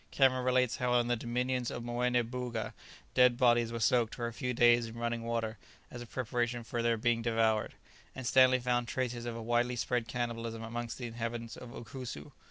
Cameron relates how in the dominions of Moené Booga dead bodies were soaked for a few days in running water as a preparation for their being devoured; and Stanley found traces of a widely spread cannibalism amongst the inhabitants of Ukusu.